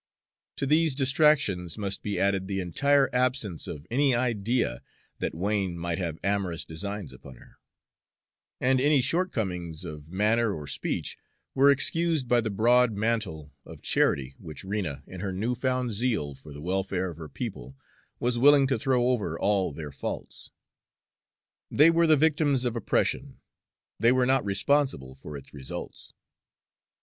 To these distractions must be added the entire absence of any idea that Wain might have amorous designs upon her; and any shortcomings of manners or speech were excused by the broad mantle of charity which Rena in her new found zeal for the welfare of her people was willing to throw over all their faults. They were the victims of oppression; they were not responsible for its results.